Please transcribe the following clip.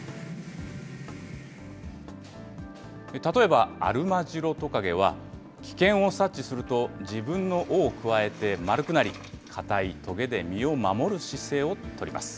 例えば、アルマジロトカゲは、危険を察知すると、自分の尾をくわえて丸くなり、硬いとげで身を守る姿勢を取ります。